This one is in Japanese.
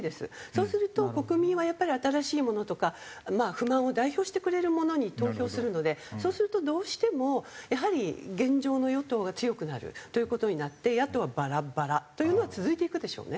そうすると国民はやっぱり新しいものとかまあ不満を代表してくれるものに投票するのでそうするとどうしてもやはり現状の与党が強くなるという事になって野党はバラバラというのは続いていくでしょうね。